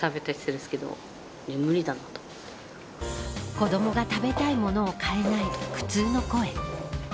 子どもが食べたいものを買えない苦痛の声。